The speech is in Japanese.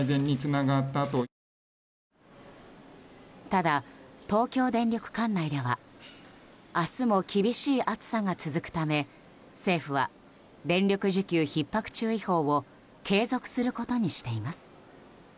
ただ、東京電力管内では明日も厳しい暑さが続くため政府は電力需給ひっ迫注意報を継続することにしています。